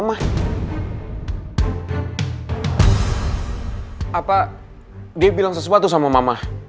apa dia bilang sesuatu sama mama